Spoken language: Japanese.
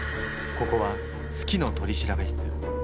ここは「好きの取調室」。